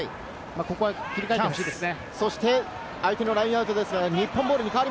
ここは切り替えてほしいです。